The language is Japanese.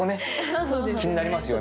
気になりますよね。